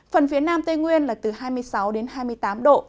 phần phía nam tây nguyên là từ hai mươi bốn hai mươi năm độ